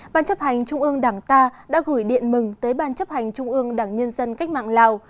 ban chấp hành trung ương đảng ta đã gửi điện mừng tới ban chấp hành trung ương đảng nhân dân cách mạng lào